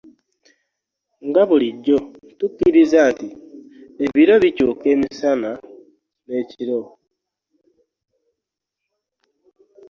Nga bulijjo, tukkiriza nti ebiro bikyuka emisana ekiro.